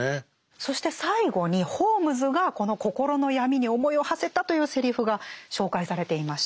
そして最後にホームズがこの心の闇に思いをはせたというセリフが紹介されていました。